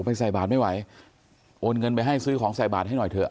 ใส่บาทไม่ไหวโอนเงินไปให้ซื้อของใส่บาทให้หน่อยเถอะ